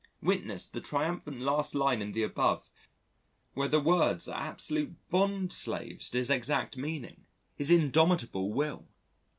Witness the triumphant last line in the above where the words are absolute bondslaves to his exact meaning, his indomitable will.